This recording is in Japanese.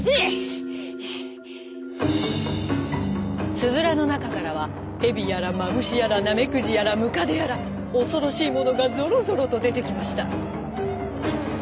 つづらのなかからはヘビやらマムシやらナメクジやらムカデやらおそろしいものがぞろぞろとでてきました。